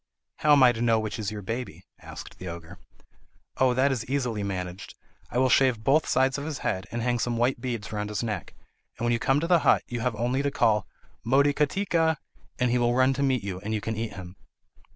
"How am I to know which is your baby?" asked the Ogre. "Oh, that is easily managed. I will shave both sides of his head, and hang some white beads round his neck. And when you come to the hut you have only to call 'Motikatika!' and he will run to meet you, and you can eat him."